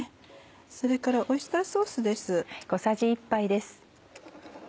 それからオイスターソースです。